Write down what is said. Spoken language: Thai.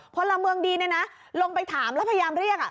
พลเมืองดีเนี่ยนะลงไปถามแล้วพยายามเรียก